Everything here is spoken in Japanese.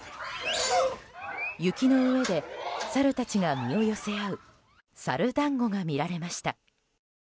雪の上でサルたちが身を寄せ合うサル団子が見られました。